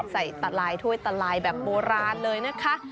ใส่ตลายถ้วยตลายแบบโบราณเลยนะคะ